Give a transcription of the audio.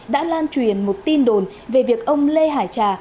đã lan truyền một tin đồn về việc ông lê hải trà